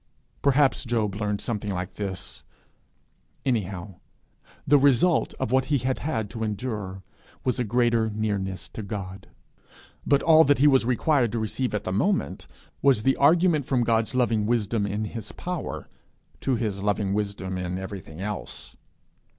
Perhaps Job learned something like this; anyhow, the result of what he had had to endure was a greater nearness to God. But all that he was required to receive at the moment was the argument from God's loving wisdom in his power, to his loving wisdom in everything else.